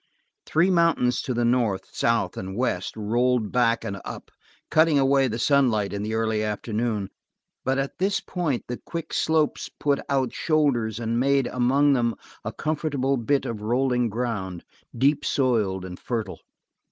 Three mountains, to the north, south and west, rolled back and up, cutting away the sunlight in the early afternoon, but at this point the quick slopes put out shoulders and made, among them, a comfortable bit of rolling ground, deep soiled and fertile.